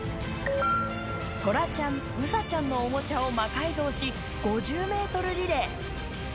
トラちゃん、ウサちゃんのおもちゃを魔改造し５０ｍリレー。